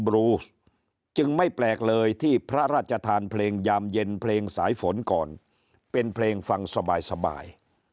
บรูจึงไม่แปลกเลยที่พระราชทานเพลงยามเย็นเพลงสายฝนก่อนเป็นเพลงฟังสบาย